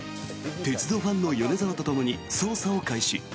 鉄道ファンの米沢とともに捜査を開始。